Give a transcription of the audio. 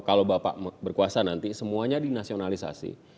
kalau bapak berkuasa nanti semuanya dinasionalisasi